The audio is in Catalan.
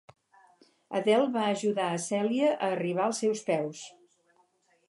Adele va ajudar a Cèlia a arribar als seus peus.